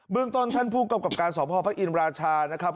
เบื้องตอนท่านผู้กรรมกราบการสมภพพระอินราชานะครับ